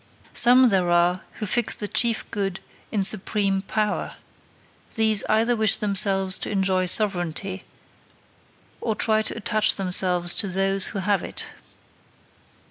Some there are who fix the chief good in supreme power; these either wish themselves to enjoy sovereignty, or try to attach themselves to those who have it.